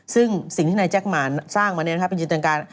ซึ่งสิ่งที่นายแจ๊กหมาสร้างมาเนี่ยนะคะ